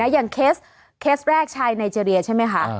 อย่างเคสแรกชายไนเจรียใช่ไหมคะ